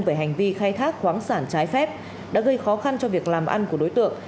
về hành vi khai thác khoáng sản trái phép đã gây khó khăn cho việc làm ăn của đối tượng